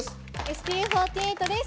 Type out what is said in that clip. ＳＴＵ４８です。